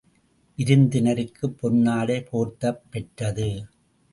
விருந்தினருக்குப் பொன்னாடை போர்த்தப் பெற்றது.